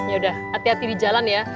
yaudah hati hati di jalan ya